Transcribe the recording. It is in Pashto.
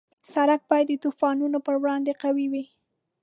سړک باید د طوفانونو په وړاندې قوي وي.